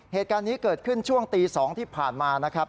เหตุการณ์นี้เกิดขึ้นช่วงตี๒ที่ผ่านมานะครับ